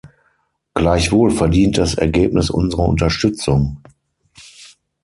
Gleichwohl verdient das Ergebnis unsere Unterstützung.